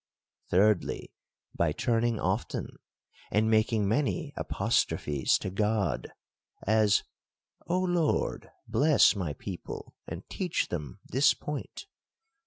— Thirdly, by turning often, and making many apostrophes to God ; as, " O Lord ! bless my people, and teach them this point